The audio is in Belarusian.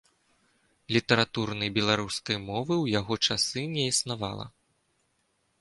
Літаратурнай беларускай мовы ў яго часы не існавала.